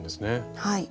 はい。